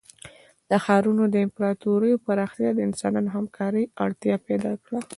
د ښارونو او امپراتوریو پراختیا د انسانانو همکارۍ اړتیا پیدا کړه.